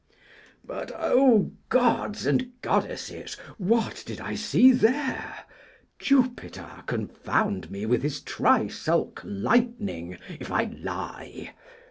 But, O gods and goddesses! what did I see there? Jupiter confound me with his trisulc lightning if I lie!